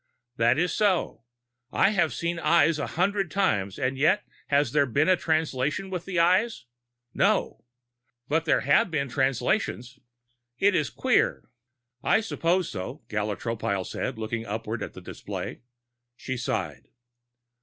"That is so. I have seen Eyes a hundred times and yet has there been a Translation with the Eyes? No. But there have been Translations. It is queer." "I suppose so," Gala Tropile said, looking upward at the display. She sighed.